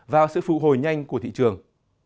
vào sự phụ hồi nhanh của thị trường